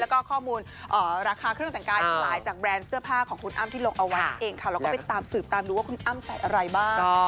แล้วก็ข้อมูลราคาเครื่องแต่งกายที่ขายจากแบรนด์เสื้อผ้าของคุณอ้ำที่ลงเอาไว้นั่นเองค่ะแล้วก็ไปตามสืบตามดูว่าคุณอ้ำใส่อะไรบ้าง